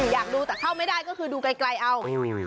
อยากดูแต่เข้าไม่ได้ก็คือดูไกลเอา